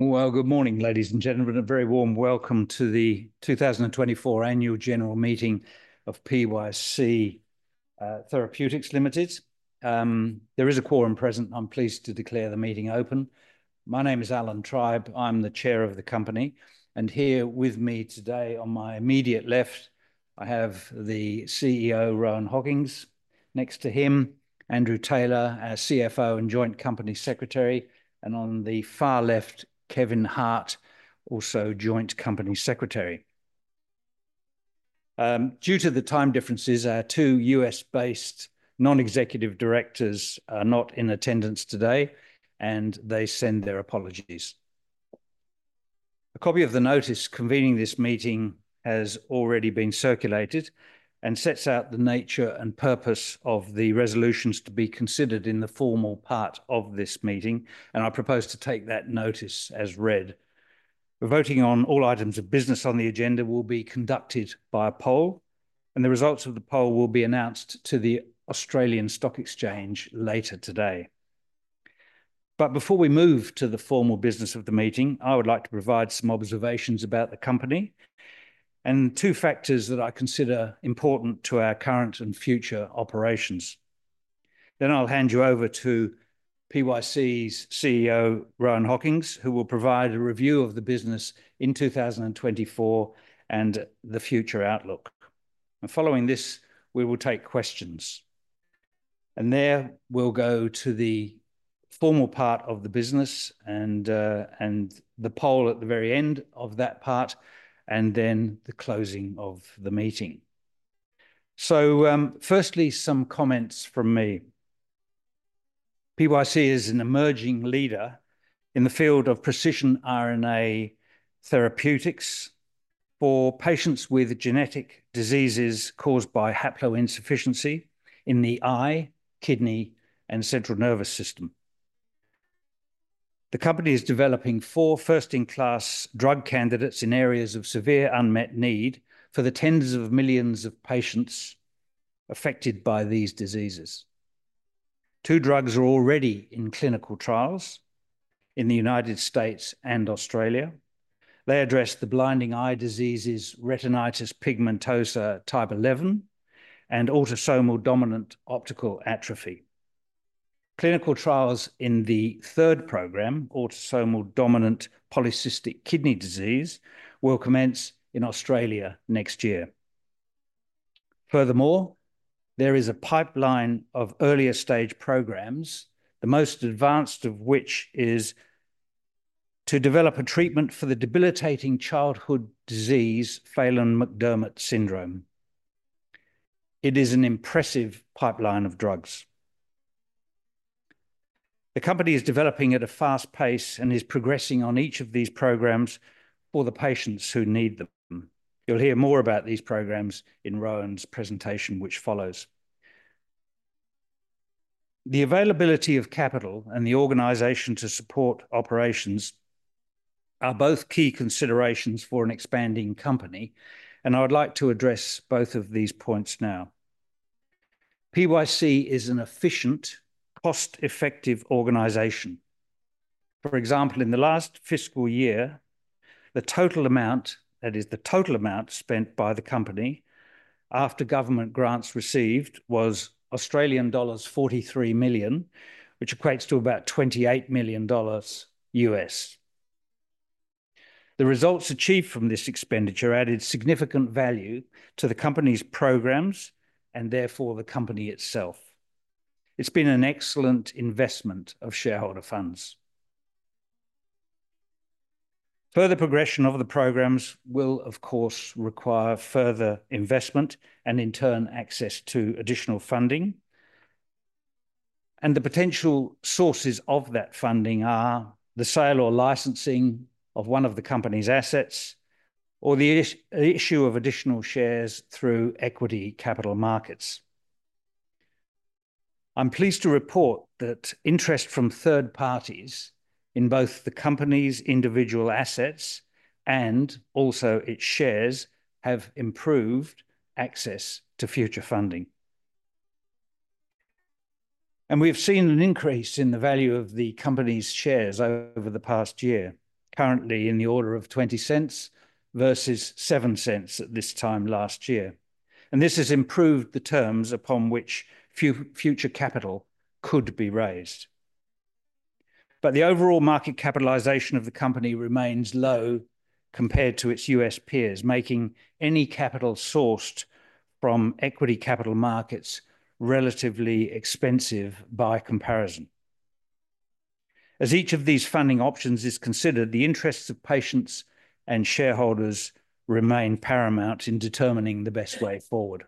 Well, good morning, ladies and gentlemen, and a very warm welcome to the 2024 Annual General Meeting of PYC Therapeutics Limited. There is a quorum present. I'm pleased to declare the meeting open. My name is Alan Tribe. I'm the Chair of the company, and here with me today on my immediate left, I have the CEO, Rohan Hockings. Next to him, Andrew Taylor, our CFO and Joint Company Secretary, and on the far left, Kevin Hart, also Joint Company Secretary. Due to the time differences, our two U.S.-based non-executive directors are not in attendance today, and they send their apologies. A copy of the notice convening this meeting has already been circulated and sets out the nature and purpose of the resolutions to be considered in the formal part of this meeting, and I propose to take that notice as read. Voting on all items of business on the agenda will be conducted by a poll, and the results of the poll will be announced to the Australian Stock Exchange later today. But before we move to the formal business of the meeting, I would like to provide some observations about the company and two factors that I consider important to our current and future operations. Then I'll hand you over to PYC's CEO, Rohan Hockings, who will provide a review of the business in 2024 and the future outlook. And following this, we will take questions. And then we'll go to the formal part of the business and the poll at the very end of that part, and then the closing of the meeting. So firstly, some comments from me. PYC is an emerging leader in the field of precision RNA therapeutics for patients with genetic diseases caused by haploinsufficiency in the eye, kidney, and central nervous system. The company is developing four first-in-class drug candidates in areas of severe unmet need for the tens of millions of patients affected by these diseases. Two drugs are already in clinical trials in the United States and Australia. They address the blinding eye diseases, retinitis pigmentosa type 11, and autosomal dominant optic atrophy. Clinical trials in the third program, autosomal dominant polycystic kidney disease, will commence in Australia next year. Furthermore, there is a pipeline of earlier stage programs, the most advanced of which is to develop a treatment for the debilitating childhood disease, Phelan-McDermid syndrome. It is an impressive pipeline of drugs. The company is developing at a fast pace and is progressing on each of these programs for the patients who need them. You'll hear more about these programs in Rohan's presentation, which follows. The availability of capital and the organization to support operations are both key considerations for an expanding company, and I would like to address both of these points now. PYC is an efficient, cost-effective organization. For example, in the last fiscal year, the total amount, that is, the total amount spent by the company after government grants received, was Australian dollars 43 million, which equates to about $28 million. The results achieved from this expenditure added significant value to the company's programs and therefore the company itself. It's been an excellent investment of shareholder funds. Further progression of the programs will, of course, require further investment and, in turn, access to additional funding. The potential sources of that funding are the sale or licensing of one of the company's assets or the issue of additional shares through equity capital markets. I'm pleased to report that interest from third parties in both the company's individual assets and also its shares have improved access to future funding. We have seen an increase in the value of the company's shares over the past year, currently in the order of 0.20 versus 0.07 at this time last year. This has improved the terms upon which future capital could be raised. The overall market capitalization of the company remains low compared to its U.S. peers, making any capital sourced from equity capital markets relatively expensive by comparison. As each of these funding options is considered, the interests of patients and shareholders remain paramount in determining the best way forward.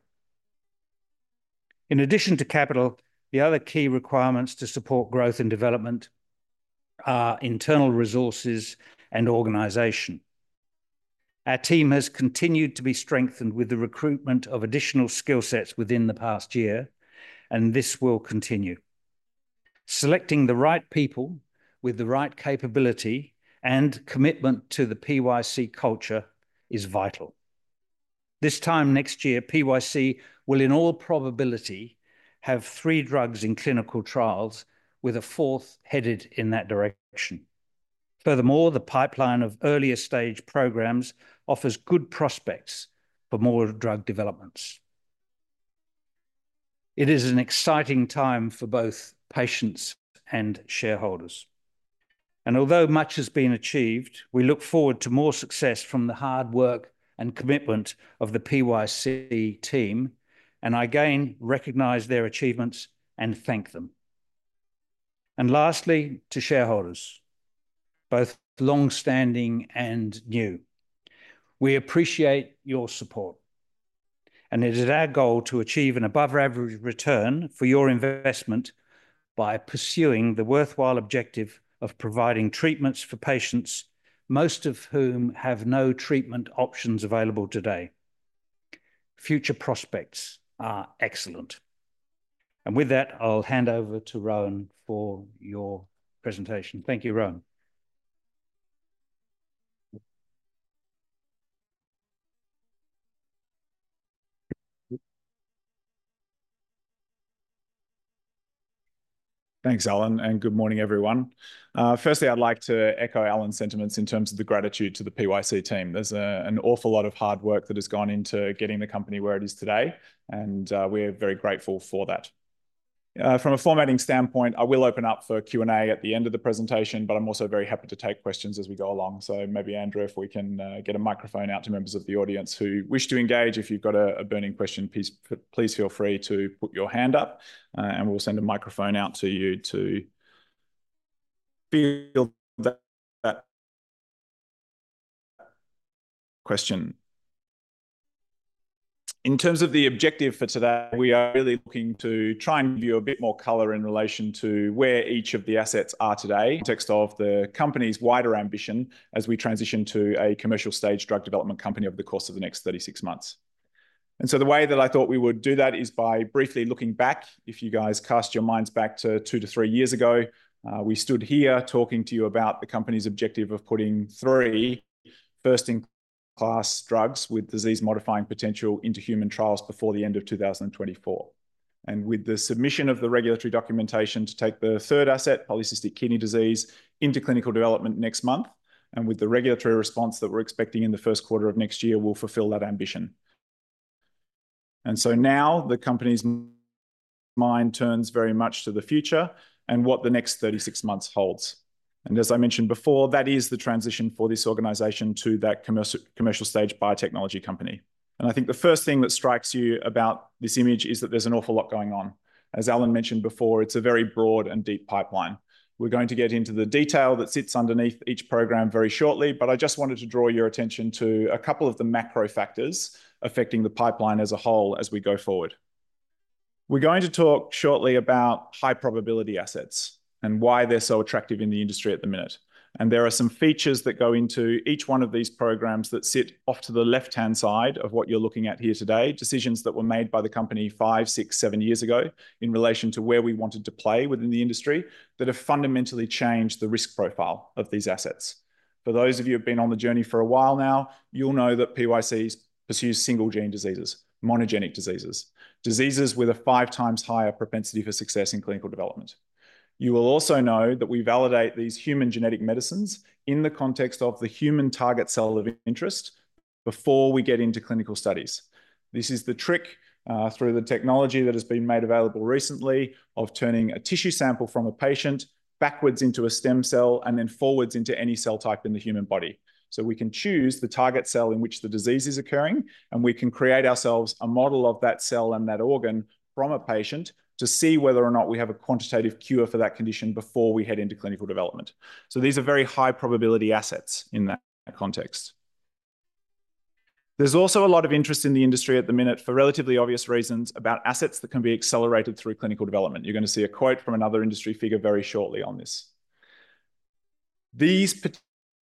In addition to capital, the other key requirements to support growth and development are internal resources and organization. Our team has continued to be strengthened with the recruitment of additional skill sets within the past year, and this will continue. Selecting the right people with the right capability and commitment to the PYC culture is vital. This time next year, PYC will, in all probability, have three drugs in clinical trials, with a fourth headed in that direction. Furthermore, the pipeline of earlier stage programs offers good prospects for more drug developments. It is an exciting time for both patients and shareholders. And although much has been achieved, we look forward to more success from the hard work and commitment of the PYC team, and I again recognize their achievements and thank them. And lastly, to shareholders, both longstanding and new, we appreciate your support. It is our goal to achieve an above-average return for your investment by pursuing the worthwhile objective of providing treatments for patients, most of whom have no treatment options available today. Future prospects are excellent. And with that, I'll hand over to Rohan for your presentation. Thank you, Rohan. Thanks, Alan, and good morning, everyone. Firstly, I'd like to echo Alan's sentiments in terms of the gratitude to the PYC team. There's an awful lot of hard work that has gone into getting the company where it is today, and we're very grateful for that. From a formatting standpoint, I will open up for Q&A at the end of the presentation, but I'm also very happy to take questions as we go along, so maybe, Andrew, if we can get a microphone out to members of the audience who wish to engage, if you've got a burning question, please feel free to put your hand up, and we'll send a microphone out to you to field that question. In terms of the objective for today, we are really looking to try and give you a bit more color in relation to where each of the assets are today, in the context of the company's wider ambition as we transition to a commercial stage drug development company over the course of the next 36 months. And so the way that I thought we would do that is by briefly looking back. If you guys cast your minds back to two to three years ago, we stood here talking to you about the company's objective of putting three first-in-class drugs with disease-modifying potential into human trials before the end of 2024. With the submission of the regulatory documentation to take the third asset, polycystic kidney disease, into clinical development next month, and with the regulatory response that we're expecting in the first quarter of next year, we'll fulfill that ambition. So now the company's mind turns very much to the future and what the next 36 months holds. As I mentioned before, that is the transition for this organization to that commercial stage biotechnology company. I think the first thing that strikes you about this image is that there's an awful lot going on. As Alan mentioned before, it's a very broad and deep pipeline. We're going to get into the detail that sits underneath each program very shortly, but I just wanted to draw your attention to a couple of the macro factors affecting the pipeline as a whole as we go forward. We're going to talk shortly about high-probability assets and why they're so attractive in the industry at the minute. And there are some features that go into each one of these programs that sit off to the left-hand side of what you're looking at here today, decisions that were made by the company five, six, seven years ago in relation to where we wanted to play within the industry that have fundamentally changed the risk profile of these assets. For those of you who have been on the journey for a while now, you'll know that PYC pursues single-gene diseases, monogenic diseases, diseases with a five-times higher propensity for success in clinical development. You will also know that we validate these human genetic medicines in the context of the human target cell of interest before we get into clinical studies. This is the trick through the technology that has been made available recently of turning a tissue sample from a patient backwards into a stem cell and then forwards into any cell type in the human body. So we can choose the target cell in which the disease is occurring, and we can create ourselves a model of that cell and that organ from a patient to see whether or not we have a quantitative cure for that condition before we head into clinical development. So these are very high-probability assets in that context. There's also a lot of interest in the industry at the minute for relatively obvious reasons about assets that can be accelerated through clinical development. You're going to see a quote from another industry figure very shortly on this. These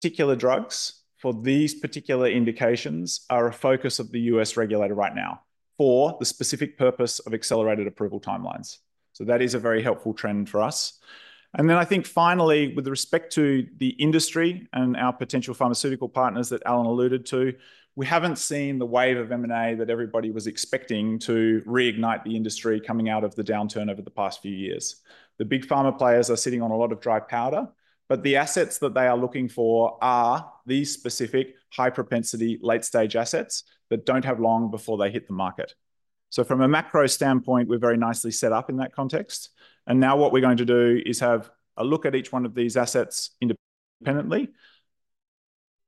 particular drugs for these particular indications are a focus of the U.S. Regulator right now for the specific purpose of accelerated approval timelines. So that is a very helpful trend for us. And then I think finally, with respect to the industry and our potential pharmaceutical partners that Alan alluded to, we haven't seen the wave of M&A that everybody was expecting to reignite the industry coming out of the downturn over the past few years. The big pharma players are sitting on a lot of dry powder, but the assets that they are looking for are these specific high-propensity late-stage assets that don't have long before they hit the market. So from a macro standpoint, we're very nicely set up in that context. And now what we're going to do is have a look at each one of these assets independently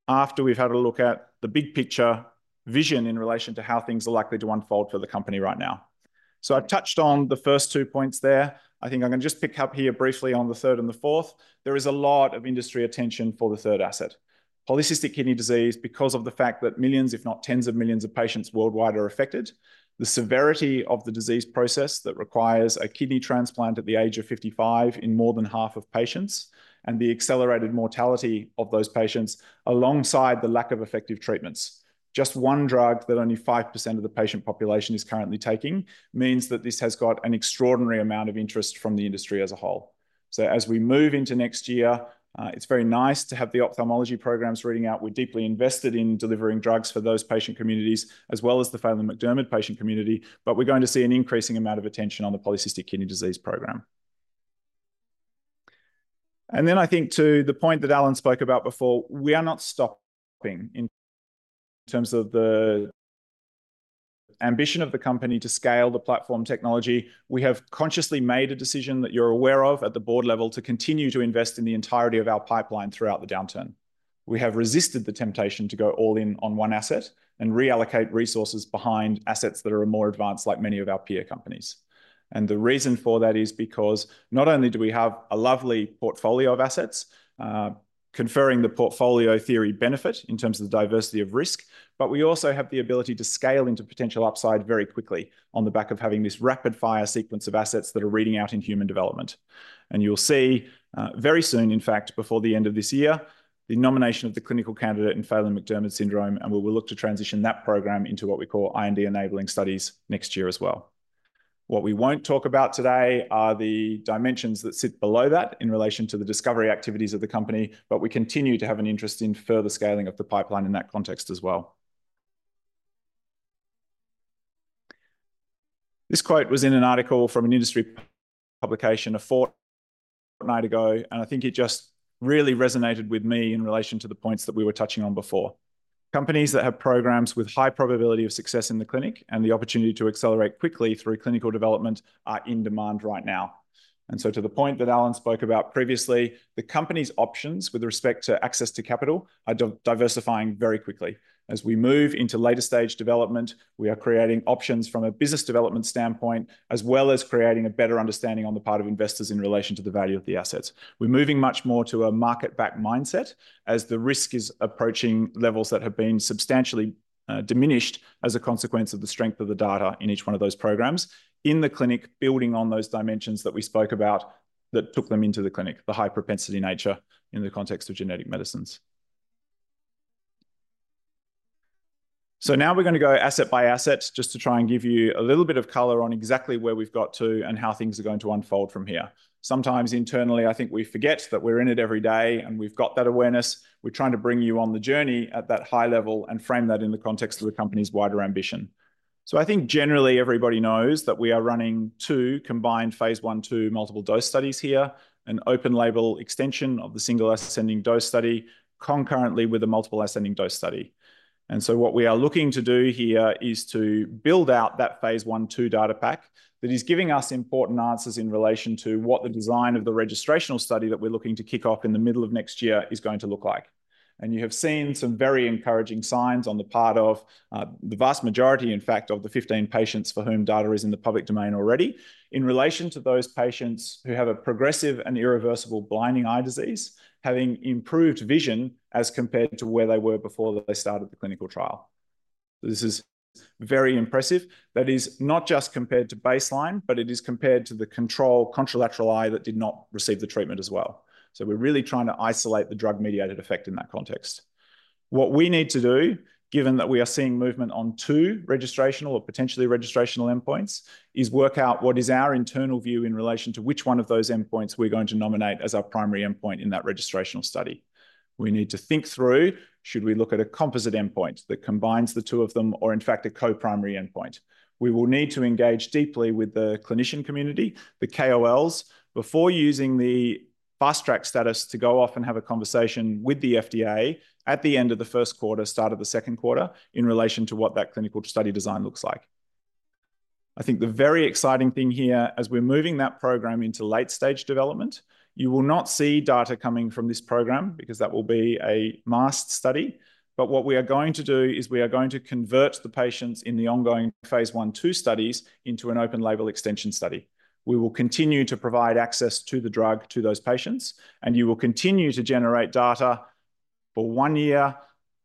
after we've had a look at the big picture vision in relation to how things are likely to unfold for the company right now. So I've touched on the first two points there. I think I'm going to just pick up here briefly on the third and the fourth. There is a lot of industry attention for the third asset, polycystic kidney disease, because of the fact that millions, if not tens of millions of patients worldwide are affected, the severity of the disease process that requires a kidney transplant at the age of 55 in more than half of patients, and the accelerated mortality of those patients alongside the lack of effective treatments. Just one drug that only 5% of the patient population is currently taking means that this has got an extraordinary amount of interest from the industry as a whole. So as we move into next year, it's very nice to have the ophthalmology programs reading out. We're deeply invested in delivering drugs for those patient communities as well as the Phelan-McDermid patient community, but we're going to see an increasing amount of attention on the polycystic kidney disease program. And then I think to the point that Alan spoke about before, we are not stopping in terms of the ambition of the company to scale the platform technology. We have consciously made a decision that you're aware of at the Board level to continue to invest in the entirety of our pipeline throughout the downturn. We have resisted the temptation to go all in on one asset and reallocate resources behind assets that are more advanced, like many of our peer companies, and the reason for that is because not only do we have a lovely portfolio of assets conferring the portfolio theory benefit in terms of the diversity of risk, but we also have the ability to scale into potential upside very quickly on the back of having this rapid-fire sequence of assets that are reading out in human development, and you'll see very soon, in fact, before the end of this year, the nomination of the clinical candidate in Phelan-McDermid syndrome, and we will look to transition that program into what we call IND enabling studies next year as well. What we won't talk about today are the dimensions that sit below that in relation to the discovery activities of the company, but we continue to have an interest in further scaling of the pipeline in that context as well. This quote was in an article from an industry publication a fortnight ago, and I think it just really resonated with me in relation to the points that we were touching on before. Companies that have programs with high probability of success in the clinic and the opportunity to accelerate quickly through clinical development are in demand right now. And so to the point that Alan spoke about previously, the company's options with respect to access to capital are diversifying very quickly. As we move into later stage development, we are creating options from a business development standpoint as well as creating a better understanding on the part of investors in relation to the value of the assets. We're moving much more to a market-backed mindset as the risk is approaching levels that have been substantially diminished as a consequence of the strength of the data in each one of those programs in the clinic, building on those dimensions that we spoke about that took them into the clinic, the high-propensity nature in the context of genetic medicines. So now we're going to go asset by asset just to try and give you a little bit of color on exactly where we've got to and how things are going to unfold from here. Sometimes internally, I think we forget that we're in it every day and we've got that awareness. We're trying to bring you on the journey at that high level and frame that in the context of the company's wider ambition, so I think generally everybody knows that we are running two combined phase I/II multiple dose studies here, an open label extension of the single ascending dose study concurrently with a multiple ascending dose study, and so what we are looking to do here is to build out that phase I/II data pack that is giving us important answers in relation to what the design of the registrational study that we're looking to kick off in the middle of next year is going to look like. You have seen some very encouraging signs on the part of the vast majority, in fact, of the 15 patients for whom data is in the public domain already in relation to those patients who have a progressive and irreversible blinding eye disease having improved vision as compared to where they were before they started the clinical trial. This is very impressive. That is not just compared to baseline, but it is compared to the control contralateral eye that did not receive the treatment as well. We're really trying to isolate the drug-mediated effect in that context. What we need to do, given that we are seeing movement on two registrational or potentially registrational endpoints, is work out what is our internal view in relation to which one of those endpoints we're going to nominate as our primary endpoint in that registrational study. We need to think through, should we look at a composite endpoint that combines the two of them or, in fact, a co-primary endpoint? We will need to engage deeply with the clinician community, the KOLs, before using the fast track status to go off and have a conversation with the FDA at the end of the first quarter, start of the second quarter, in relation to what that clinical study design looks like. I think the very exciting thing here, as we're moving that program into late stage development, you will not see data coming from this program because that will be a masked study. But what we are going to do is we are going to convert the patients in the ongoing phase I/II studies into an open label extension study. We will continue to provide access to the drug to those patients, and you will continue to generate data for one year,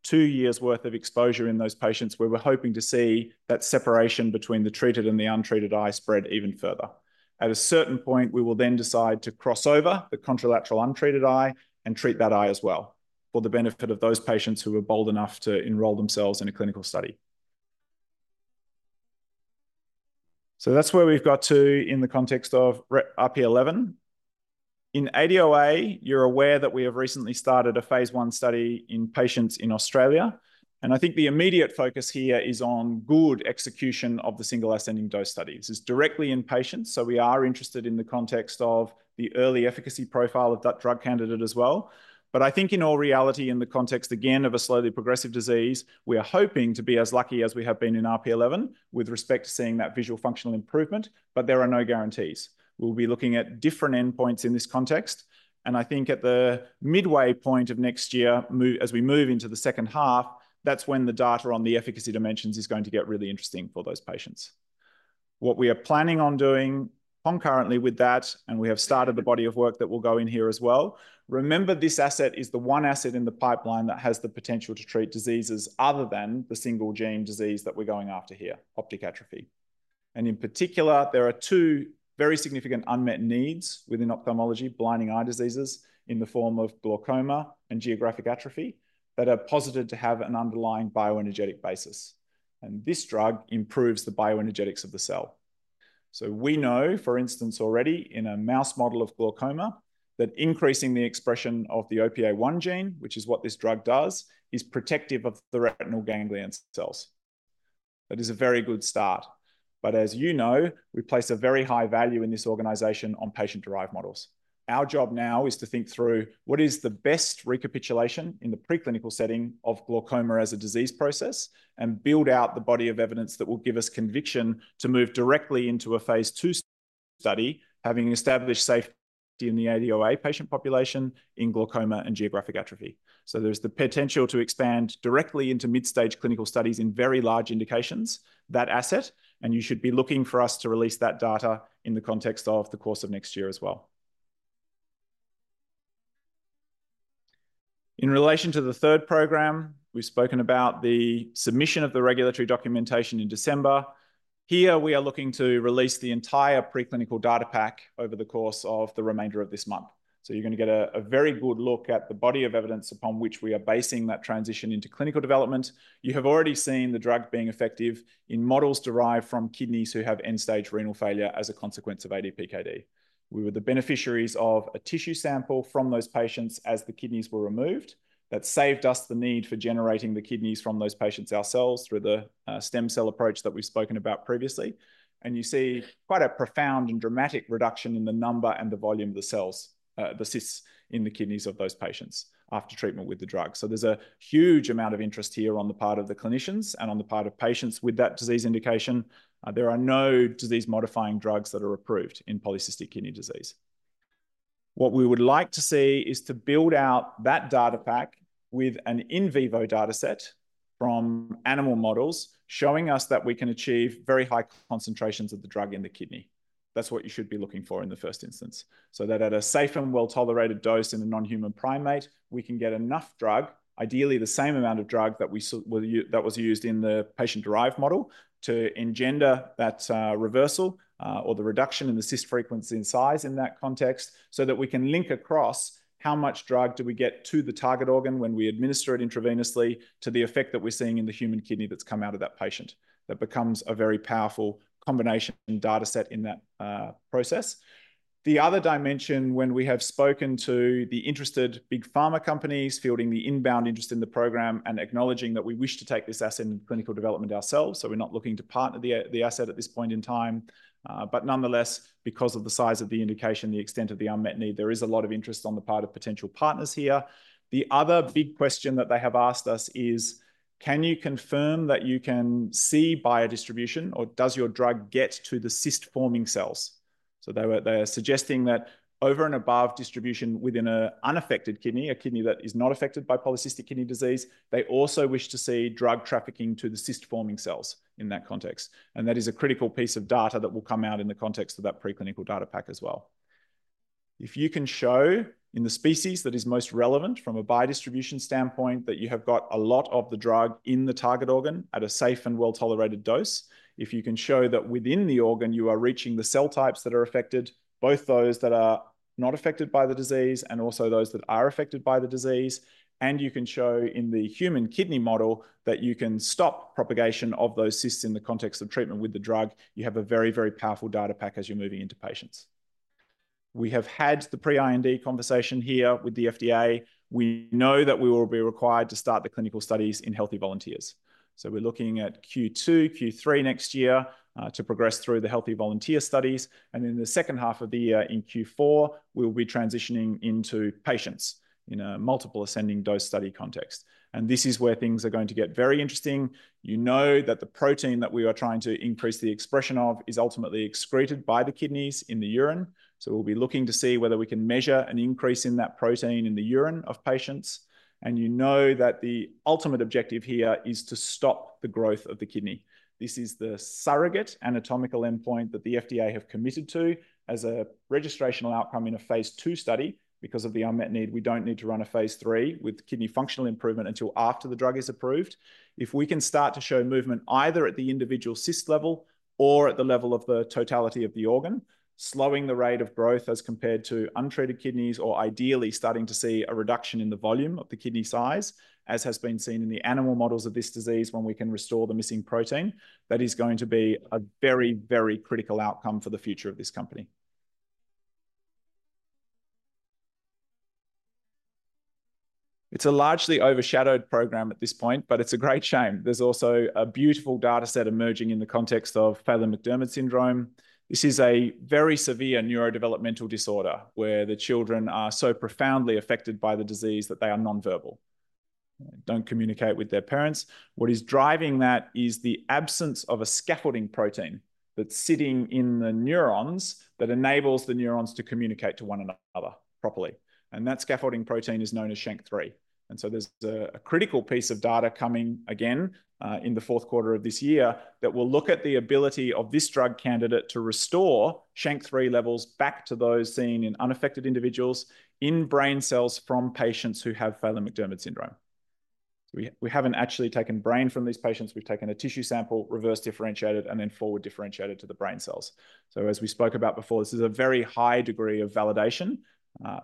two years' worth of exposure in those patients where we're hoping to see that separation between the treated and the untreated eye spread even further. At a certain point, we will then decide to cross over the contralateral untreated eye and treat that eye as well for the benefit of those patients who are bold enough to enroll themselves in a clinical study. So that's where we've got to in the context of RP11. In ADOA, you're aware that we have recently started a phase I study in patients in Australia. And I think the immediate focus here is on good execution of the single ascending dose studies. This is directly in patients. So we are interested in the context of the early efficacy profile of that drug candidate as well. But I think in all reality, in the context, again, of a slowly progressive disease, we are hoping to be as lucky as we have been in RP11 with respect to seeing that visual functional improvement, but there are no guarantees. We'll be looking at different endpoints in this context. And I think at the midway point of next year, as we move into the second half, that's when the data on the efficacy dimensions is going to get really interesting for those patients. What we are planning on doing concurrently with that, and we have started the body of work that will go in here as well. Remember, this asset is the one asset in the pipeline that has the potential to treat diseases other than the single-gene disease that we're going after here, optic atrophy. And in particular, there are two very significant unmet needs within ophthalmology, blinding eye diseases in the form of glaucoma and geographic atrophy that are posited to have an underlying bioenergetic basis. And this drug improves the bioenergetics of the cell. So we know, for instance, already in a mouse model of glaucoma that increasing the expression of the OPA1 gene, which is what this drug does, is protective of the retinal ganglion cells. That is a very good start. But as you know, we place a very high value in this organization on patient-derived models. Our job now is to think through what is the best recapitulation in the preclinical setting of glaucoma as a disease process and build out the body of evidence that will give us conviction to move directly into a phase II study, having established safety in the ADOA patient population in glaucoma and geographic atrophy, so there's the potential to expand directly into mid-stage clinical studies in very large indications, that asset, and you should be looking for us to release that data in the context of the course of next year as well. In relation to the third program, we've spoken about the submission of the regulatory documentation in December. Here, we are looking to release the entire preclinical data pack over the course of the remainder of this month. So you're going to get a very good look at the body of evidence upon which we are basing that transition into clinical development. You have already seen the drug being effective in models derived from kidneys who have end-stage renal failure as a consequence of ADPKD. We were the beneficiaries of a tissue sample from those patients as the kidneys were removed. That saved us the need for generating the kidneys from those patients ourselves through the stem cell approach that we've spoken about previously. And you see quite a profound and dramatic reduction in the number and the volume of the cells, the cysts in the kidneys of those patients after treatment with the drug. So there's a huge amount of interest here on the part of the clinicians and on the part of patients with that disease indication. There are no disease-modifying drugs that are approved in polycystic kidney disease. What we would like to see is to build out that data pack with an in vivo data set from animal models showing us that we can achieve very high concentrations of the drug in the kidney. That's what you should be looking for in the first instance, so that at a safe and well-tolerated dose in a non-human primate, we can get enough drug, ideally the same amount of drug that was used in the patient-derived model to engender that reversal or the reduction in the cyst frequency and size in that context so that we can link across how much drug do we get to the target organ when we administer it intravenously to the effect that we're seeing in the human kidney that's come out of that patient. That becomes a very powerful combination data set in that process. The other dimension, when we have spoken to the interested big pharma companies fielding the inbound interest in the program and acknowledging that we wish to take this asset in clinical development ourselves, so we're not looking to partner the asset at this point in time. But nonetheless, because of the size of the indication, the extent of the unmet need, there is a lot of interest on the part of potential partners here. The other big question that they have asked us is, can you confirm that you can see biodistribution or does your drug get to the cyst-forming cells? So they are suggesting that over and above distribution within an unaffected kidney, a kidney that is not affected by polycystic kidney disease, they also wish to see drug trafficking to the cyst-forming cells in that context. That is a critical piece of data that will come out in the context of that preclinical data pack as well. If you can show in the species that is most relevant from a biodistribution standpoint that you have got a lot of the drug in the target organ at a safe and well-tolerated dose, if you can show that within the organ you are reaching the cell types that are affected, both those that are not affected by the disease and also those that are affected by the disease, and you can show in the human kidney model that you can stop propagation of those cysts in the context of treatment with the drug, you have a very, very powerful data pack as you're moving into patients. We have had the pre-IND conversation here with the FDA. We know that we will be required to start the clinical studies in healthy volunteers. So we're looking at Q2, Q3 next year to progress through the healthy volunteer studies. And in the second half of the year in Q4, we'll be transitioning into patients in a multiple ascending dose study context. And this is where things are going to get very interesting. You know that the protein that we are trying to increase the expression of is ultimately excreted by the kidneys in the urine. So we'll be looking to see whether we can measure an increase in that protein in the urine of patients. And you know that the ultimate objective here is to stop the growth of the kidney. This is the surrogate anatomical endpoint that the FDA have committed to as a registrational outcome in a phase II study. Because of the unmet need, we don't need to run a phase III with kidney functional improvement until after the drug is approved. If we can start to show movement either at the individual cyst level or at the level of the totality of the organ, slowing the rate of growth as compared to untreated kidneys or ideally starting to see a reduction in the volume of the kidney size, as has been seen in the animal models of this disease when we can restore the missing protein, that is going to be a very, very critical outcome for the future of this company. It's a largely overshadowed program at this point, but it's a great shame. There's also a beautiful data set emerging in the context of Phelan-McDermid syndrome. This is a very severe neurodevelopmental disorder where the children are so profoundly affected by the disease that they are nonverbal, don't communicate with their parents. What is driving that is the absence of a scaffolding protein that's sitting in the neurons that enables the neurons to communicate to one another properly. And that scaffolding protein is known as SHANK3. And so there's a critical piece of data coming again in the fourth quarter of this year that will look at the ability of this drug candidate to restore SHANK3 levels back to those seen in unaffected individuals in brain cells from patients who have Phelan-McDermid syndrome. We haven't actually taken brain from these patients. We've taken a tissue sample, reverse differentiated, and then forward differentiated to the brain cells. As we spoke about before, this is a very high degree of validation,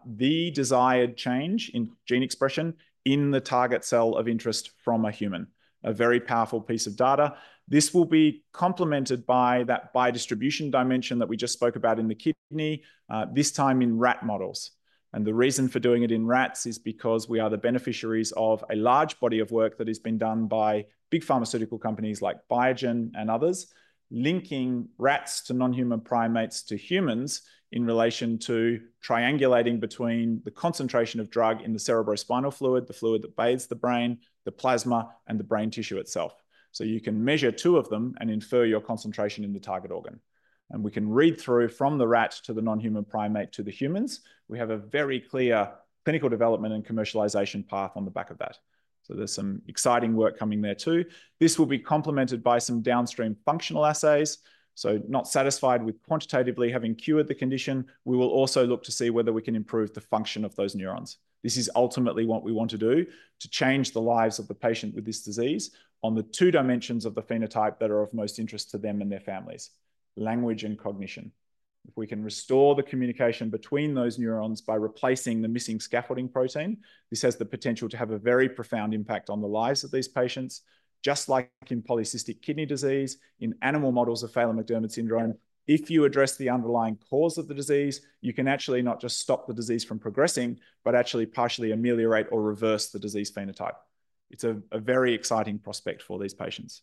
the desired change in gene expression in the target cell of interest from a human, a very powerful piece of data. This will be complemented by that biodistribution dimension that we just spoke about in the kidney, this time in rat models. The reason for doing it in rats is because we are the beneficiaries of a large body of work that has been done by big pharmaceutical companies like Biogen and others, linking rats to non-human primates to humans in relation to triangulating between the concentration of drug in the cerebrospinal fluid, the fluid that bathes the brain, the plasma, and the brain tissue itself. You can measure two of them and infer your concentration in the target organ. And we can read through from the rat to the non-human primate to the humans. We have a very clear clinical development and commercialization path on the back of that. So there's some exciting work coming there too. This will be complemented by some downstream functional assays. So not satisfied with quantitatively having cured the condition, we will also look to see whether we can improve the function of those neurons. This is ultimately what we want to do to change the lives of the patient with this disease on the two dimensions of the phenotype that are of most interest to them and their families: language and cognition. If we can restore the communication between those neurons by replacing the missing scaffolding protein, this has the potential to have a very profound impact on the lives of these patients. Just like in polycystic kidney disease, in animal models of Phelan-McDermid syndrome, if you address the underlying cause of the disease, you can actually not just stop the disease from progressing, but actually partially ameliorate or reverse the disease phenotype. It's a very exciting prospect for these patients.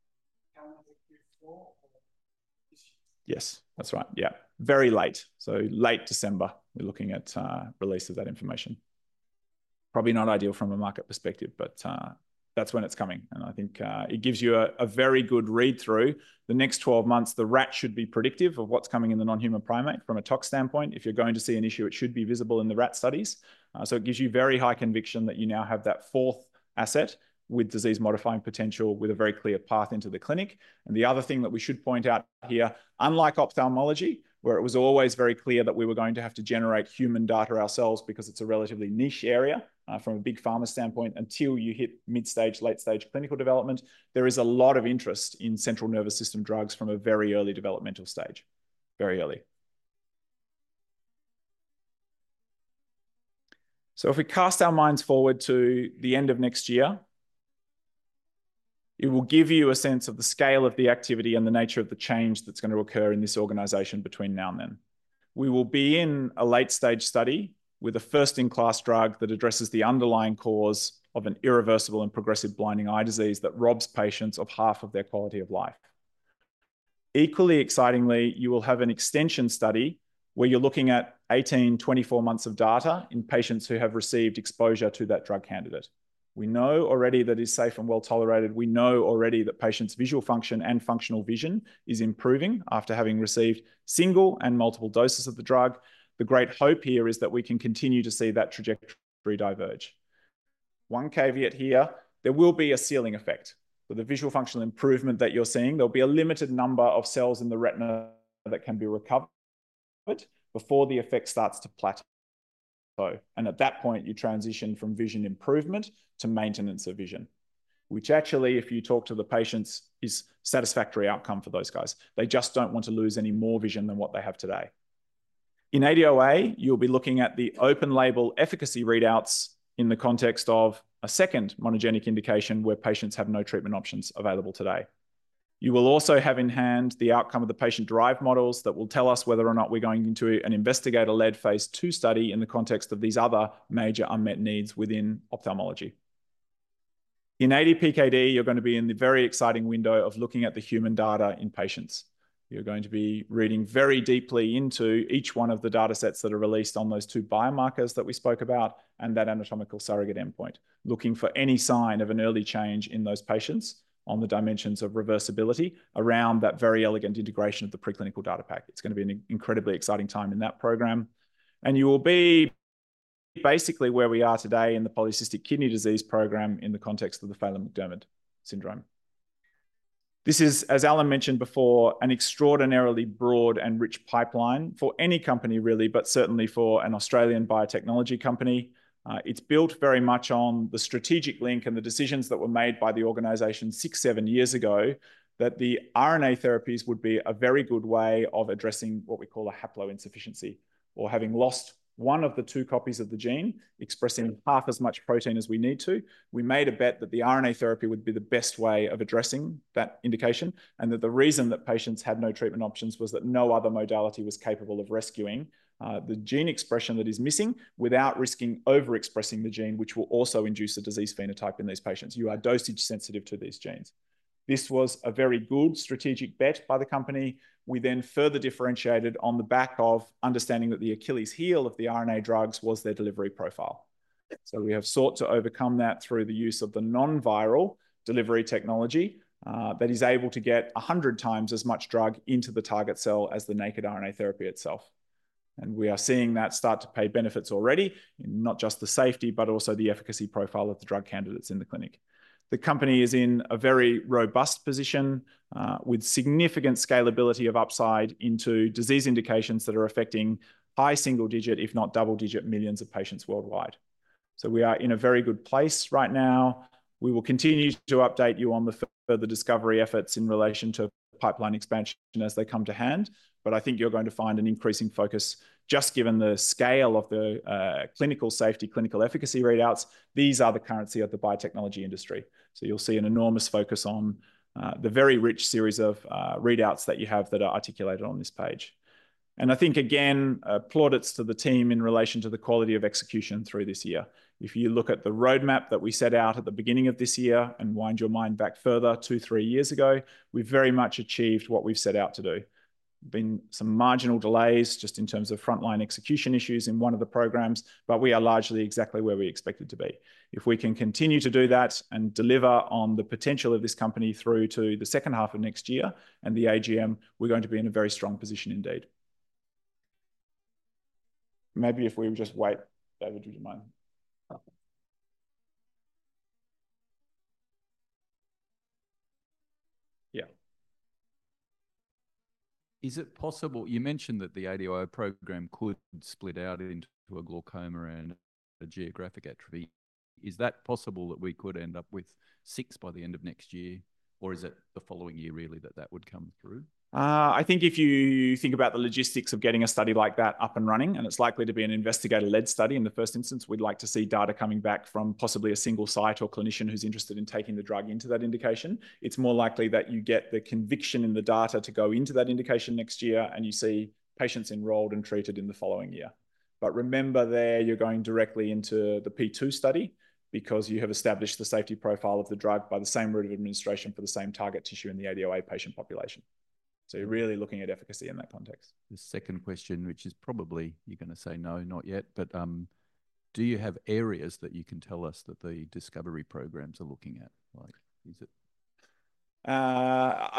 Yes, that's right. Yeah. Very late. So late December, we're looking at release of that information. Probably not ideal from a market perspective, but that's when it's coming. And I think it gives you a very good read through the next 12 months. The rat should be predictive of what's coming in the non-human primate from a tox standpoint. If you're going to see an issue, it should be visible in the rat studies. So it gives you very high conviction that you now have that fourth asset with disease-modifying potential with a very clear path into the clinic. And the other thing that we should point out here, unlike ophthalmology, where it was always very clear that we were going to have to generate human data ourselves because it's a relatively niche area from a big pharma standpoint until you hit mid-stage, late-stage clinical development, there is a lot of interest in central nervous system drugs from a very early developmental stage, very early. So if we cast our minds forward to the end of next year, it will give you a sense of the scale of the activity and the nature of the change that's going to occur in this organization between now and then. We will be in a late-stage study with a first-in-class drug that addresses the underlying cause of an irreversible and progressive blinding eye disease that robs patients of half of their quality of life. Equally excitingly, you will have an extension study where you're looking at 18-24 months of data in patients who have received exposure to that drug candidate. We know already that it is safe and well-tolerated. We know already that patients' visual function and functional vision is improving after having received single and multiple doses of the drug. The great hope here is that we can continue to see that trajectory diverge. One caveat here, there will be a ceiling effect for the visual functional improvement that you're seeing. There'll be a limited number of cells in the retina that can be recovered before the effect starts to plateau, and at that point, you transition from vision improvement to maintenance of vision, which actually, if you talk to the patients, is a satisfactory outcome for those guys. They just don't want to lose any more vision than what they have today. In ADOA, you'll be looking at the open label efficacy readouts in the context of a second monogenic indication where patients have no treatment options available today. You will also have in hand the outcome of the patient-derived models that will tell us whether or not we're going into an investigator-led phase II study in the context of these other major unmet needs within ophthalmology. In ADPKD, you're going to be in the very exciting window of looking at the human data in patients. You're going to be reading very deeply into each one of the data sets that are released on those two biomarkers that we spoke about and that anatomical surrogate endpoint, looking for any sign of an early change in those patients on the dimensions of reversibility around that very elegant integration of the preclinical data pack. It's going to be an incredibly exciting time in that program, and you will be basically where we are today in the polycystic kidney disease program in the context of the Phelan-McDermid syndrome. This is, as Alan mentioned before, an extraordinarily broad and rich pipeline for any company, really, but certainly for an Australian biotechnology company. It's built very much on the strategic link and the decisions that were made by the organization six, seven years ago that the RNA therapies would be a very good way of addressing what we call a haploinsufficiency or having lost one of the two copies of the gene expressing half as much protein as we need to. We made a bet that the RNA therapy would be the best way of addressing that indication and that the reason that patients had no treatment options was that no other modality was capable of rescuing the gene expression that is missing without risking overexpressing the gene, which will also induce a disease phenotype in these patients. You are dosage sensitive to these genes. This was a very good strategic bet by the company. We then further differentiated on the back of understanding that the Achilles heel of the RNA drugs was their delivery profile. So we have sought to overcome that through the use of the non-viral delivery technology that is able to get 100 times as much drug into the target cell as the naked RNA therapy itself. And we are seeing that start to pay benefits already in not just the safety, but also the efficacy profile of the drug candidates in the clinic. The company is in a very robust position with significant scalability of upside into disease indications that are affecting high single-digit, if not double-digit millions of patients worldwide. So we are in a very good place right now. We will continue to update you on the further discovery efforts in relation to pipeline expansion as they come to hand. I think you're going to find an increasing focus just given the scale of the clinical safety, clinical efficacy readouts. These are the currency of the biotechnology industry. You'll see an enormous focus on the very rich series of readouts that you have that are articulated on this page. I think, again, applause to the team in relation to the quality of execution through this year. If you look at the roadmap that we set out at the beginning of this year and cast your mind back further two, three years ago, we've very much achieved what we've set out to do. There have been some marginal delays just in terms of frontline execution issues in one of the programs, but we are largely exactly where we expected to be. If we can continue to do that and deliver on the potential of this company through to the second half of next year and the AGM, we're going to be in a very strong position indeed. Maybe if we would just wait, David, would you mind? Yeah. Is it possible? You mentioned that the ADOA program could split out into a glaucoma and a geographic atrophy. Is that possible that we could end up with six by the end of next year, or is it the following year really that that would come through? I think if you think about the logistics of getting a study like that up and running, and it's likely to be an investigator-led study in the first instance, we'd like to see data coming back from possibly a single site or clinician who's interested in taking the drug into that indication. It's more likely that you get the conviction in the data to go into that indication next year and you see patients enrolled and treated in the following year. But remember there, you're going directly into the P2 study because you have established the safety profile of the drug by the same route of administration for the same target tissue in the ADOA patient population. So you're really looking at efficacy in that context. The second question, which is probably you're going to say no, not yet, but do you have areas that you can tell us that the discovery programs are looking at? Like, is it?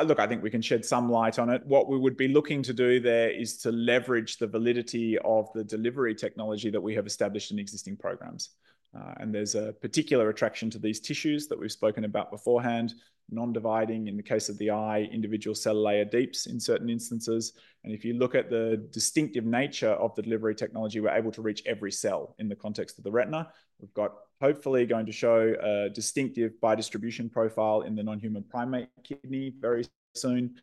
Look, I think we can shed some light on it. What we would be looking to do there is to leverage the validity of the delivery technology that we have established in existing programs. And there's a particular attraction to these tissues that we've spoken about beforehand, non-dividing in the case of the eye, individual cell layer deep in certain instances. And if you look at the distinctive nature of the delivery technology, we're able to reach every cell in the context of the retina. We've got hopefully going to show a distinctive biodistribution profile in the non-human primate kidney very soon.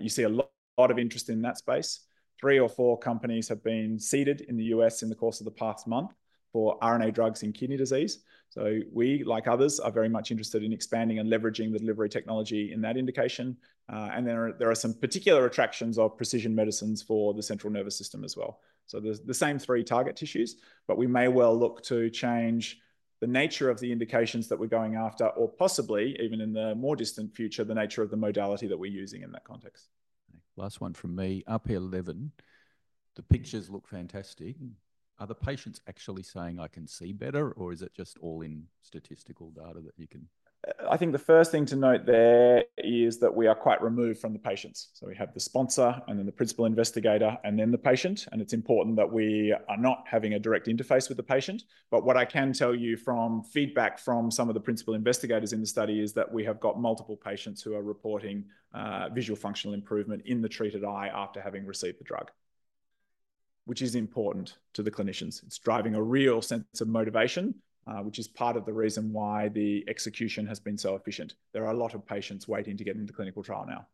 You see a lot of interest in that space. Three or four companies have been seeded in the U.S. in the course of the past month for RNA drugs in kidney disease. So we, like others, are very much interested in expanding and leveraging the delivery technology in that indication. And then there are some particular attractions of precision medicines for the central nervous system as well. So the same three target tissues, but we may well look to change the nature of the indications that we're going after, or possibly even in the more distant future, the nature of the modality that we're using in that context. Last one from me, RP11. The pictures look fantastic. Are the patients actually saying, "I can see better," or is it just all in statistical data that you can? I think the first thing to note there is that we are quite removed from the patients. So we have the sponsor and then the principal investigator and then the patient. And it's important that we are not having a direct interface with the patient. But what I can tell you from feedback from some of the principal investigators in the study is that we have got multiple patients who are reporting visual functional improvement in the treated eye after having received the drug, which is important to the clinicians. It's driving a real sense of motivation, which is part of the reason why the execution has been so efficient. There are a lot of patients waiting to get into clinical trial now.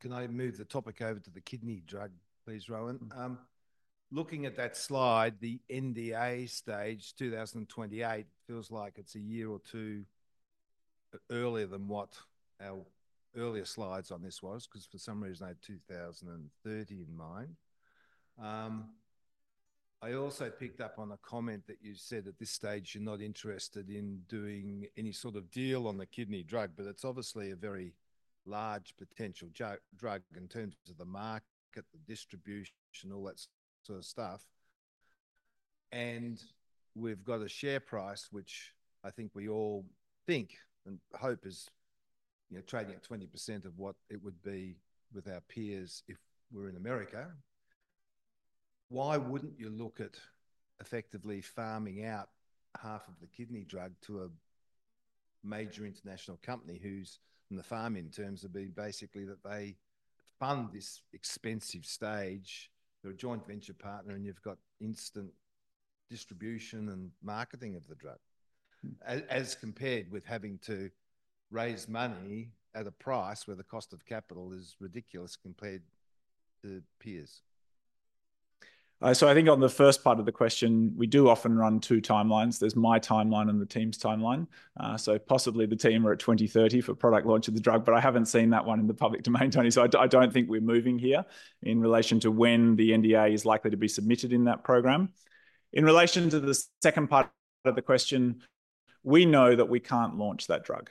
Can I move the topic over to the kidney drug, please, Rohan? Looking at that slide, the NDA stage 2028 feels like it's a year or two earlier than what our earlier slides on this was, because for some reason I had 2030 in mind. I also picked up on a comment that you said at this stage you're not interested in doing any sort of deal on the kidney drug, but it's obviously a very large potential drug in terms of the market, the distribution, all that sort of stuff, and we've got a share price, which I think we all think and hope is trading at 20% of what it would be with our peers if we're in America. Why wouldn't you look at effectively farming out half of the kidney drug to a major international company who's in the farming terms of being basically that they fund this expensive stage? You're a joint venture partner and you've got instant distribution and marketing of the drug, as compared with having to raise money at a price where the cost of capital is ridiculous compared to peers. So I think on the first part of the question, we do often run two timelines. There's my timeline and the team's timeline. So possibly the team are at 2030 for product launch of the drug, but I haven't seen that one in the public domain, Tony. So I don't think we're moving here in relation to when the NDA is likely to be submitted in that program. In relation to the second part of the question, we know that we can't launch that drug.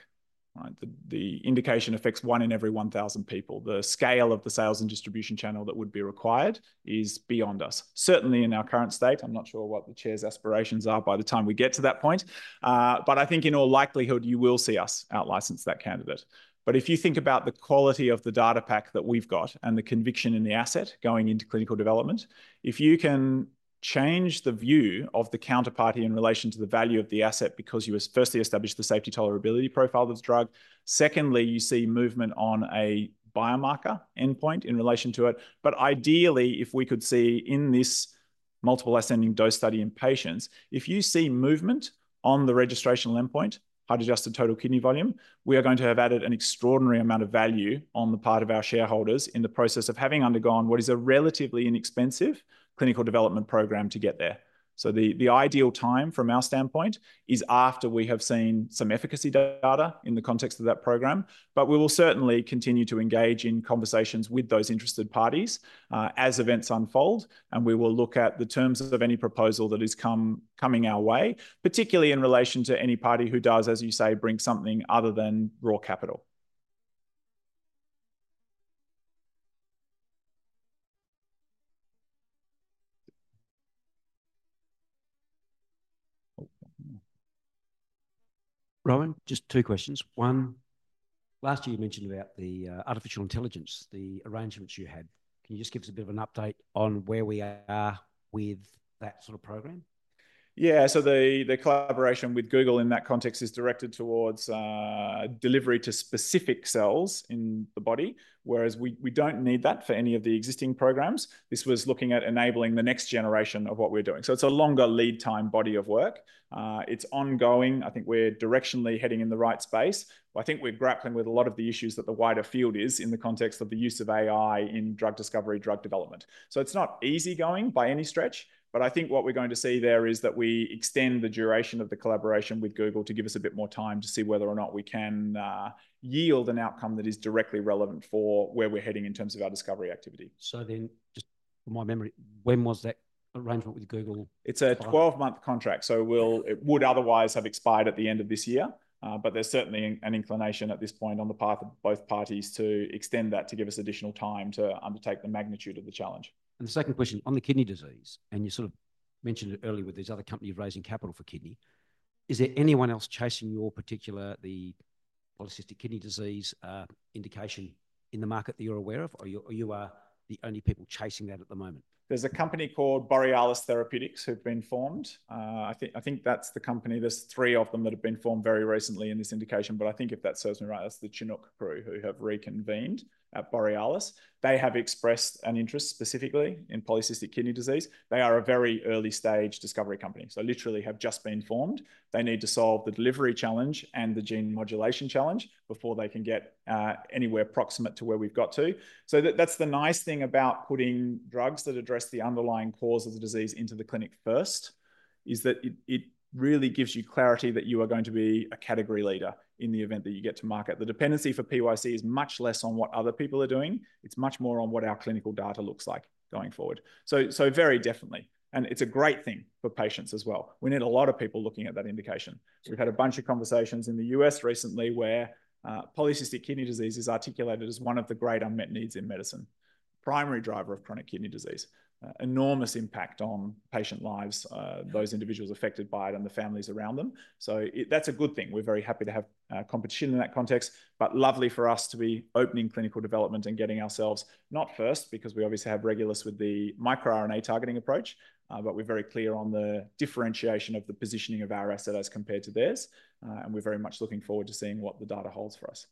The indication affects one in every 1,000 people. The scale of the sales and distribution channel that would be required is beyond us. Certainly in our current state, I'm not sure what the chair's aspirations are by the time we get to that point. But I think in all likelihood, you will see us outlicense that candidate. But if you think about the quality of the data pack that we've got and the conviction in the asset going into clinical development, if you can change the view of the counterparty in relation to the value of the asset because you firstly establish the safety tolerability profile of this drug. Secondly, you see movement on a biomarker endpoint in relation to it. But ideally, if we could see in this multiple ascending dose study in patients, if you see movement on the registrational endpoint, height-adjusted total kidney volume, we are going to have added an extraordinary amount of value on the part of our shareholders in the process of having undergone what is a relatively inexpensive clinical development program to get there. So the ideal time from our standpoint is after we have seen some efficacy data in the context of that program. But we will certainly continue to engage in conversations with those interested parties as events unfold, and we will look at the terms of any proposal that is coming our way, particularly in relation to any party who does, as you say, bring something other than raw capital. Rohan, just two questions. One, last year you mentioned about the artificial intelligence, the arrangements you had. Can you just give us a bit of an update on where we are with that sort of program? Yeah, so the collaboration with Google in that context is directed towards delivery to specific cells in the body, whereas we don't need that for any of the existing programs. This was looking at enabling the next generation of what we're doing. So it's a longer lead time body of work. It's ongoing. I think we're directionally heading in the right space. I think we're grappling with a lot of the issues that the wider field is in the context of the use of AI in drug discovery, drug development. So it's not easy going by any stretch, but I think what we're going to see there is that we extend the duration of the collaboration with Google to give us a bit more time to see whether or not we can yield an outcome that is directly relevant for where we're heading in terms of our discovery activity. So then, just from my memory, when was that arrangement with Google? It's a 12-month contract. So it would otherwise have expired at the end of this year. But there's certainly an inclination at this point on the path of both parties to extend that to give us additional time to undertake the magnitude of the challenge. And the second question on the kidney disease, and you sort of mentioned it earlier with this other company raising capital for kidney, is there anyone else chasing your particular, the polycystic kidney disease indication in the market that you're aware of, or you are the only people chasing that at the moment? There's a company called Borealis Biosciences who've been formed. I think that's the company. There's three of them that have been formed very recently in this indication. But I think if that serves me right, that's the Chinook crew who have reconvened at Borealis. They have expressed an interest specifically in polycystic kidney disease. They are a very early stage discovery company, so literally have just been formed. They need to solve the delivery challenge and the gene modulation challenge before they can get anywhere proximate to where we've got to. So that's the nice thing about putting drugs that address the underlying cause of the disease into the clinic first is that it really gives you clarity that you are going to be a category leader in the event that you get to market. The dependency for PYC is much less on what other people are doing. It's much more on what our clinical data looks like going forward. So very definitely. And it's a great thing for patients as well. We need a lot of people looking at that indication. We've had a bunch of conversations in the U.S. recently where polycystic kidney disease is articulated as one of the great unmet needs in medicine, primary driver of chronic kidney disease, enormous impact on patient lives, those individuals affected by it and the families around them. So that's a good thing. We're very happy to have competition in that context, but lovely for us to be opening clinical development and getting ourselves not first because we obviously have Regulus with the microRNA targeting approach, but we're very clear on the differentiation of the positioning of our asset as compared to theirs. And we're very much looking forward to seeing what the data holds for us.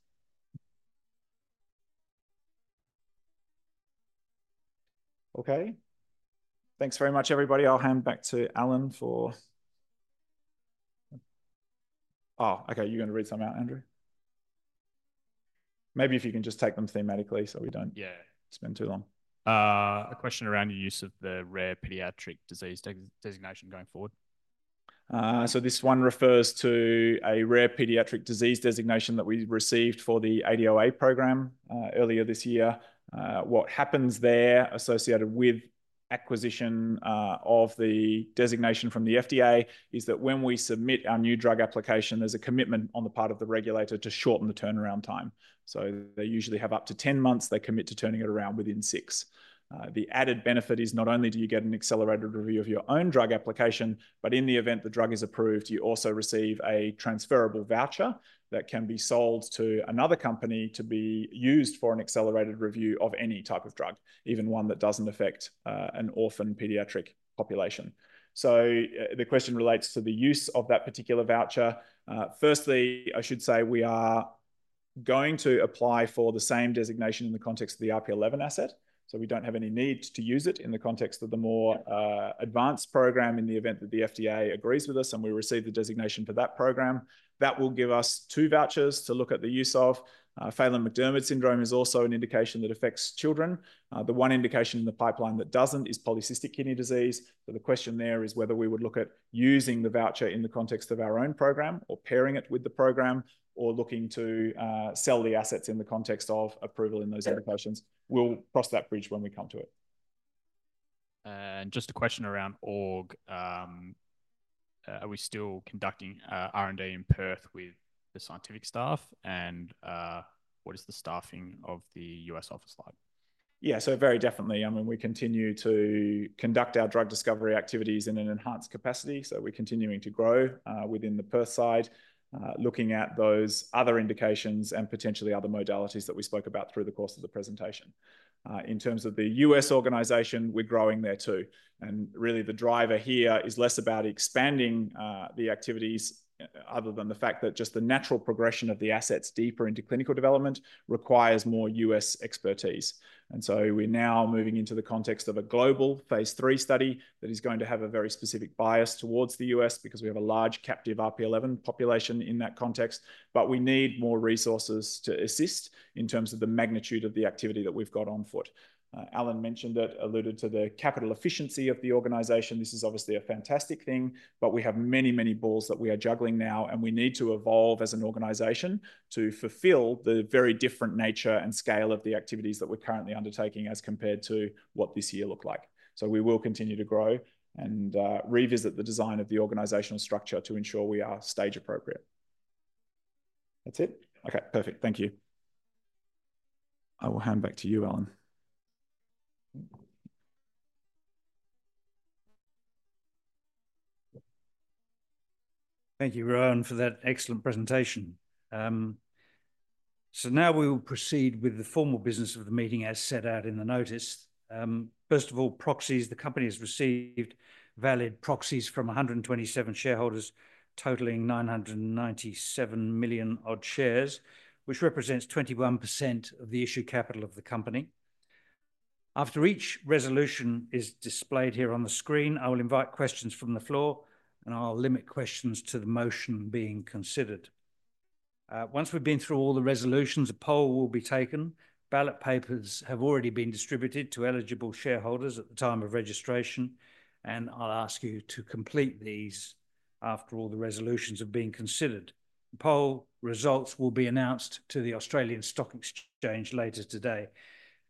Okay. Thanks very much, everybody. I'll hand back to Alan for... Oh, okay. You're going to read some out, Andrew? Maybe if you can just take them thematically so we don't spend too long. A question around your use of the Rare Pediatric Disease Designation going forward. So this one refers to a Rare Pediatric Disease Designation that we received for the ADOA program earlier this year. What happens there associated with acquisition of the designation from the FDA is that when we submit our New Drug Application, there's a commitment on the part of the regulator to shorten the turnaround time. So they usually have up to 10 months. They commit to turning it around within six. The added benefit is not only do you get an accelerated review of your own drug application, but in the event the drug is approved, you also receive a transferable voucher that can be sold to another company to be used for an accelerated review of any type of drug, even one that doesn't affect an orphan pediatric population. So the question relates to the use of that particular voucher. Firstly, I should say we are going to apply for the same designationP in the context of the RP11 asset. So we don't have any need to use it in the context of the more advanced program in the event that the FDA agrees with us and we receive the designation for that program. That will give us two vouchers to look at the use of. Phelan-McDermid syndrome is also an indication that affects children. The one indication in the pipeline that doesn't is polycystic kidney disease. So the question there is whether we would look at using the voucher in the context of our own program or pairing it with the program or looking to sell the assets in the context of approval in those indications. We'll cross that bridge when we come to it. And just a question around org. Are we still conducting R&D in Perth with the scientific staff? And what is the staffing of the U.S. office like? Yeah, so very definitely. I mean, we continue to conduct our drug discovery activities in an enhanced capacity. So we're continuing to grow within the Perth side, looking at those other indications and potentially other modalities that we spoke about through the course of the presentation. In terms of the U.S. organization, we're growing there too. And really the driver here is less about expanding the activities other than the fact that just the natural progression of the assets deeper into clinical development requires more U.S. expertise. And so we're now moving into the context of a global phase III study that is going to have a very specific bias towards the U.S. because we have a large captive RP11 population in that context. But we need more resources to assist in terms of the magnitude of the activity that we've got on foot. Alan mentioned it, alluded to the capital efficiency of the organization. This is obviously a fantastic thing, but we have many, many balls that we are juggling now, and we need to evolve as an organization to fulfill the very different nature and scale of the activities that we're currently undertaking as compared to what this year looked like. So we will continue to grow and revisit the design of the organizational structure to ensure we are stage appropriate. That's it? Okay, perfect. Thank you. I will hand back to you, Alan. Thank you, Rohan, for that excellent presentation. So now we will proceed with the formal business of the meeting as set out in the notice. First of all, proxies. The company has received valid proxies from 127 shareholders totaling 997 million odd shares, which represents 21% of the issued capital of the company. After each resolution is displayed here on the screen, I will invite questions from the floor, and I'll limit questions to the motion being considered. Once we've been through all the resolutions, a poll will be taken. Ballot papers have already been distributed to eligible shareholders at the time of registration, and I'll ask you to complete these after all the resolutions have been considered. Poll results will be announced to the Australian Stock Exchange later today.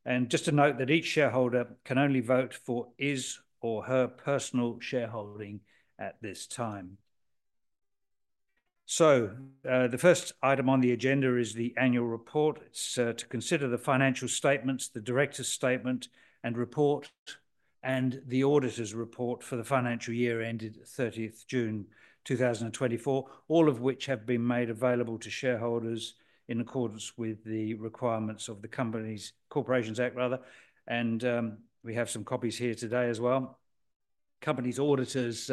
And just to note that each shareholder can only vote for his or her personal shareholding at this time. So the first item on the agenda is the Annual Report. It's to consider the financial statements, the Directors' statement and report, and the auditor's report for the financial year ended 30th June 2024, all of which have been made available to shareholders in accordance with the requirements of the Corporations Act. We have some copies here today as well. Company's auditors,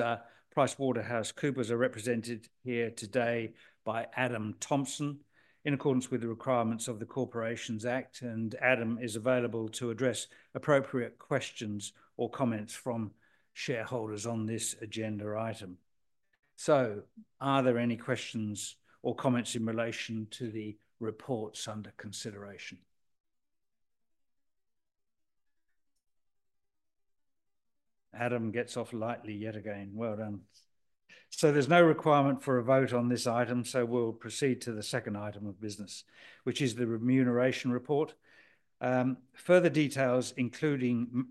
PricewaterhouseCoopers, are represented here today by Adam Thompson in accordance with the requirements of the Corporations Act. And Adam is available to address appropriate questions or comments from shareholders on this agenda item. So are there any questions or comments in relation to the reports under consideration? Adam gets off lightly yet again. Well done. So there's no requirement for a vote on this item. So we'll proceed to the second item of business, which is the Remuneration Report. Further details, including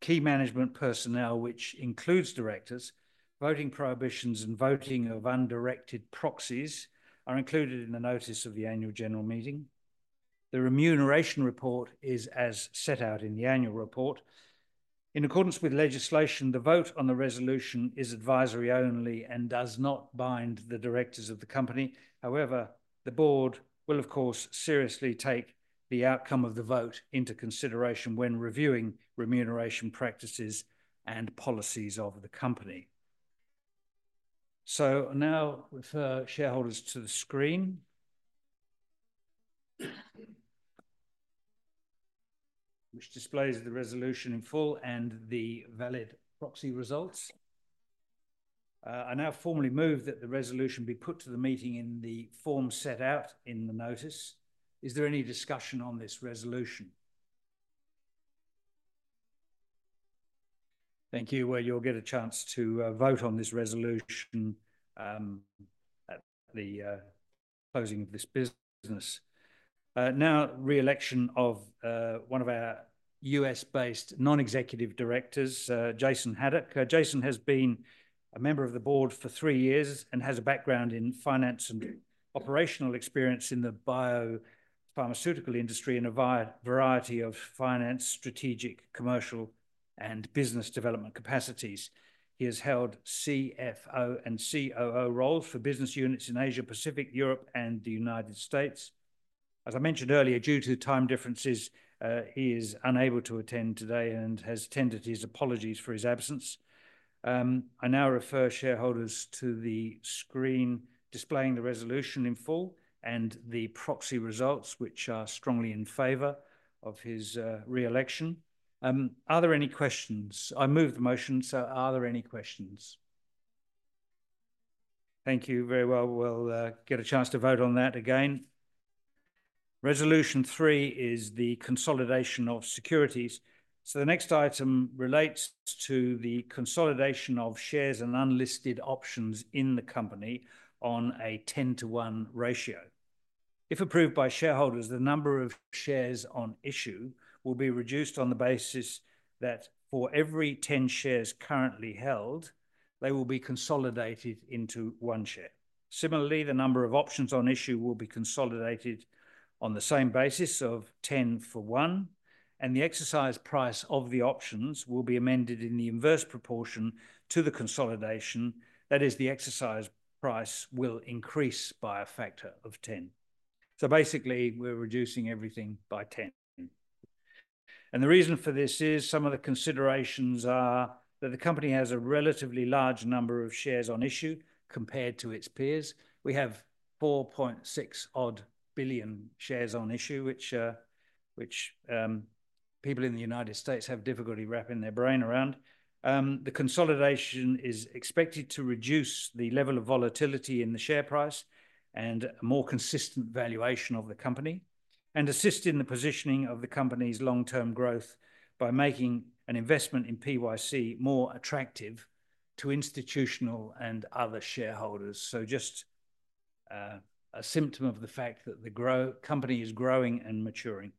key management personnel, which includes directors, voting prohibitions, and voting of undirected proxies, are included in the notice of the Annual General Meeting. The Remuneration Report is as set out in the Annual report. In accordance with legislation, the vote on the resolution is advisory only and does not bind the directors of the company. However, the board will, of course, seriously take the outcome of the vote into consideration when reviewing remuneration practices and policies of the company. So now we'll refer shareholders to the screen, which displays the resolution in full and the valid proxy results. I now formally move that the resolution be put to the meeting in the form set out in the notice. Is there any discussion on this resolution? Thank you. Well, you'll get a chance to vote on this resolution at the closing of this business. Now, re-election of one of our U.S.-based non-executive directors, Jason Haddock. Jason has been a member of the board for three years and has a background in finance and operational experience in the biopharmaceutical industry in a variety of finance, strategic, commercial, and business development capacities. He has held CFO and COO roles for business units in Asia Pacific, Europe, and the United States. As I mentioned earlier, due to time differences, he is unable to attend today and has tendered his apologies for his absence. I now refer shareholders to the screen displaying the resolution in full and the proxy results, which are strongly in favor of his re-election. Are there any questions? I move the motion. So are there any questions? Thank you very well. We'll get a chance to vote on that again. Resolution three is the consolidation of securities. So the next item relates to the consolidation of shares and unlisted options in the company on a 10-to-1 ratio. If approved by shareholders, the number of shares on issue will be reduced on the basis that for every 10 shares currently held, they will be consolidated into one share. Similarly, the number of options on issue will be consolidated on the same basis of 10 for one, and the exercise price of the options will be amended in the inverse proportion to the consolidation. That is, the exercise price will increase by a factor of 10, so basically, we're reducing everything by 10, and the reason for this is some of the considerations are that the company has a relatively large number of shares on issue compared to its peers. We have 4.6 odd billion shares on issue, which people in the United States have difficulty wrapping their brain around. The consolidation is expected to reduce the level of volatility in the share price and a more consistent valuation of the company and assist in the positioning of the company's long-term growth by making an investment in PYC more attractive to institutional and other shareholders. So just a symptom of the fact that the company is growing and maturing.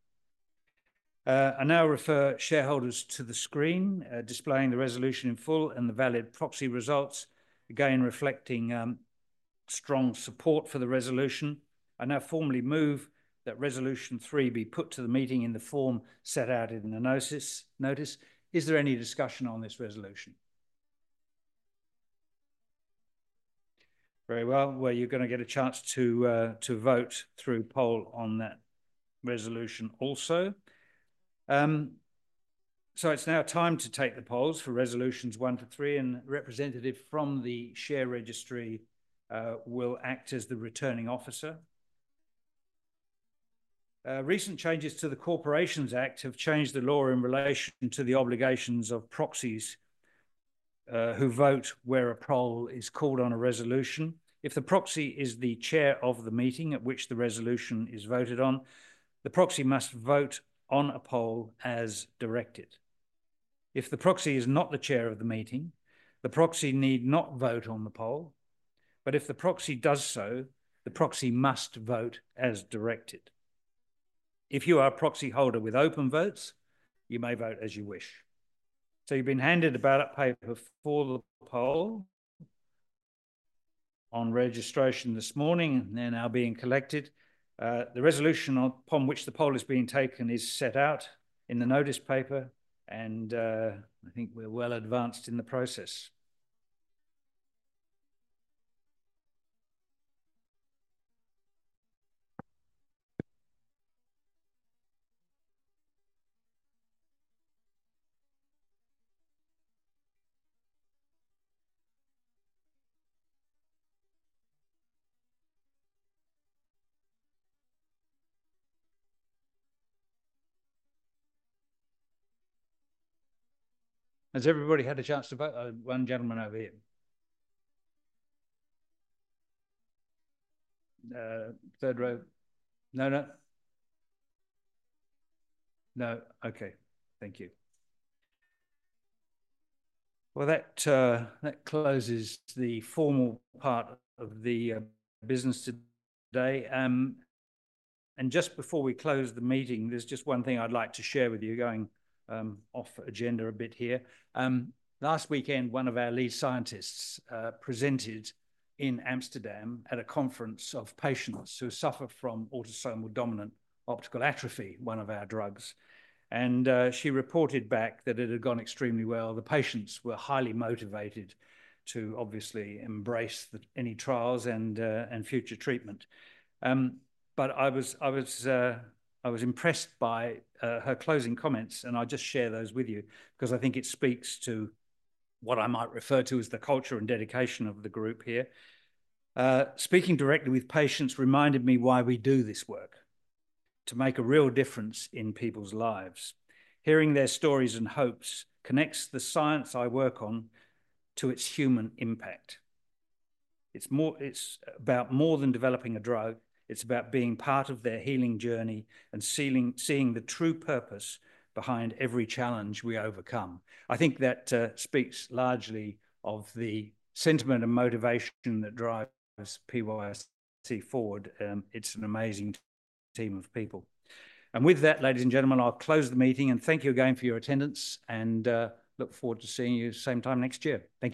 I now refer shareholders to the screen displaying the resolution in full and the valid proxy results, again reflecting strong support for the resolution. I now formally move that resolution three be put to the meeting in the form set out in the notice. Is there any discussion on this resolution? Very well. Well, you're going to get a chance to vote through poll on that resolution also. So it's now time to take the polls for resolutions one to three, and a representative from the share registry will act as the returning officer. Recent changes to the Corporations Act have changed the law in relation to the obligations of proxies who vote where a poll is called on a resolution. If the proxy is the chair of the meeting at which the resolution is voted on, the proxy must vote on a poll as directed. If the proxy is not the chair of the meeting, the proxy need not vote on the poll. But if the proxy does so, the proxy must vote as directed. If you are a proxy holder with open votes, you may vote as you wish. So you've been handed a ballot paper for the poll on registration this morning, and they're now being collected. The resolution upon which the poll is being taken is set out in the notice paper, and I think we're well advanced in the process. Has everybody had a chance to vote? One gentleman over here. Third row. No, no. No. Okay. Thank you. Well, that closes the formal part of the business today. Just before we close the meeting, there's just one thing I'd like to share with you going off agenda a bit here. Last weekend, one of our lead scientists presented in Amsterdam at a conference of patients who suffer from autosomal dominant optic atrophy, one of our drugs. She reported back that it had gone extremely well. The patients were highly motivated to obviously embrace any trials and future treatment. I was impressed by her closing comments, and I'll just share those with you because I think it speaks to what I might refer to as the culture and dedication of the group here. Speaking directly with patients reminded me why we do this work: to make a real difference in people's lives. Hearing their stories and hopes connects the science I work on to its human impact. It's about more than developing a drug. It's about being part of their healing journey and seeing the true purpose behind every challenge we overcome. I think that speaks largely of the sentiment and motivation that drives PYC forward. It's an amazing team of people. And with that, ladies and gentlemen, I'll close the meeting, and thank you again for your attendance, and look forward to seeing you same time next year. Thank you.